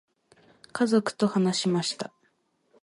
家族と話しました。